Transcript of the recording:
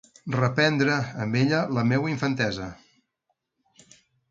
Reprendre amb ella la meua infantesa.